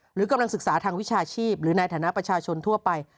หรือกำลังศึกษาทางวิชาชีพหรือในฐานะประชาชนทั่วไป